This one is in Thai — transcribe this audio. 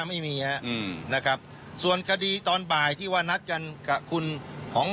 ไม่มีฮะอืมนะครับส่วนคดีตอนบ่ายที่ว่านัดกันกับคุณของ